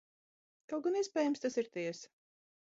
Kaut gan, iespējams, tas ir tiesa.